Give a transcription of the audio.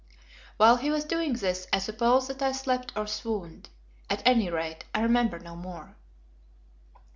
While he was doing this I suppose that I slept or swooned. At any rate, I remember no more.